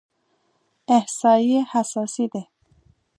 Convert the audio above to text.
احصایې حساسې دي.